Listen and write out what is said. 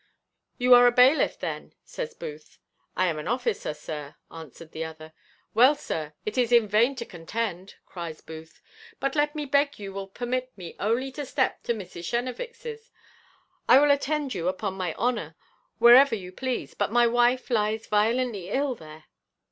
"You are a bailiff then?" says Booth. "I am an officer, sir," answered the other. "Well, sir, it is in vain to contend," cries Booth; "but let me beg you will permit me only to step to Mrs. Chenevix's I will attend you, upon my honour, wherever you please; but my wife lies violently ill there."